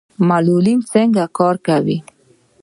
معلولین څنګه کار کوي؟